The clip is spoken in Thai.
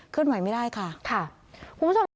เคลื่อนไหวไม่ได้ค่ะค่ะคุณผู้ชม